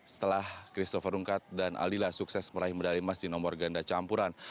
setelah christopher rungkat dan aldila sukses meraih medali emas di nomor ganda campuran